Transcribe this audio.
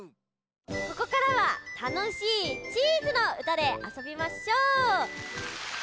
ここからはたのしいチーズのうたであそびましょう！